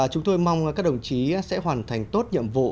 chúng tôi mong các đồng chí sẽ hoàn thành tốt nhiệm vụ